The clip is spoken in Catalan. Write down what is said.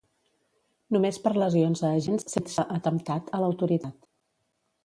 Només per lesions a agents sense atemptat a l'autoritat.